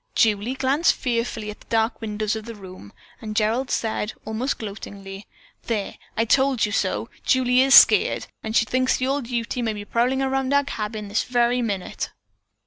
Julie glanced fearfully at the dark windows of the room, and Gerald said, almost gloatingly: "There, I told you so! Julie is skeered. She thinks the old Ute may be prowling around our cabin this very minute."